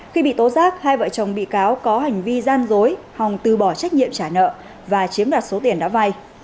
khi bị tố giác hai vợ chồng bị cáo có hành vi gian dối hòng từ bỏ trách nhiệm trả nợ và chiếm đoạt số tiền đã vay